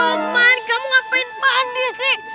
aman kamu ngapain mandi sih